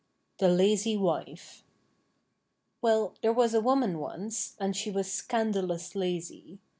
THE LAZY WIFE Well, there was a woman once, and she was scandalous lazy.